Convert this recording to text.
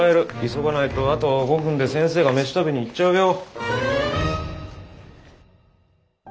急がないとあと５分で先生が飯食べに行っちゃうよ。